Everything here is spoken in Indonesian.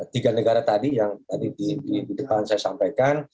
tiga negara tadi yang tadi di depan saya sampaikan